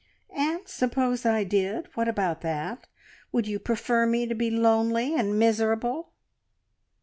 "And suppose I did? What about that? Would you prefer me to be lonely, and miserable?"